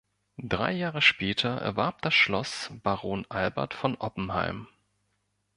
Drei Jahre später erwarb das Schloss Baron Albert von Oppenheim.